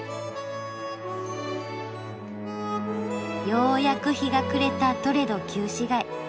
ようやく日が暮れたトレド旧市街。